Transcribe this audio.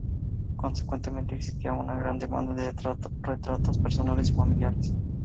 Consecuentemente existía una gran demanda de retratos personales o familiares.